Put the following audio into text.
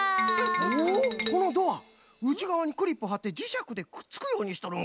おっこのドアうちがわにクリップはってじしゃくでくっつくようにしとるんか。